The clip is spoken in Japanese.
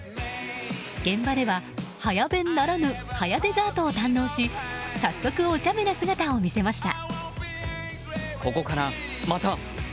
現場では、早弁ならぬ早デザートを堪能し早速おちゃめな姿を見せました。